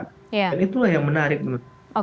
dan itulah yang menarik menurut saya